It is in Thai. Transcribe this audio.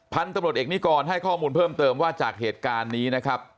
พันธุ์ตำรวจเอกนิกรให้ข้อมูลเพิ่มเติมว่าจากเหตุการณ์นี้นะครับ